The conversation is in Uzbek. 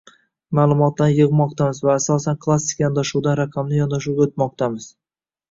maʼlumotlarni yigʻmoqdamiz yoki asosan klassik yondashuvdan raqamli yondashuvga oʻtmoqdamiz.